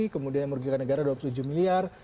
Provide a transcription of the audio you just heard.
kemudian yang merugikan negara dua puluh tujuh miliar